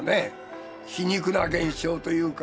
皮肉な現象というか。